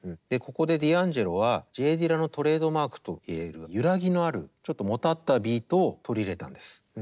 ここでディアンジェロはＪ・ディラのトレードマークと言える揺らぎのあるちょっともたったビートを取り入れたんです。